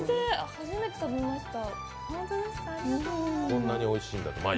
初めて食べました。